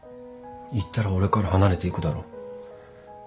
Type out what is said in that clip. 言ったら俺から離れていくだろ？